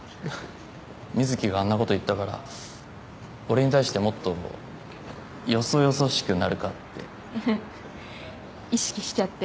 瑞貴があんなこと言ったから俺に対してもっとよそよそしくなるかってふふっ意識しちゃって？